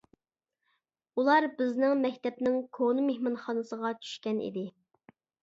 ئۇلار بىزنىڭ مەكتەپنىڭ كونا مېھمانخانىسىغا چۈشكەن ئىدى.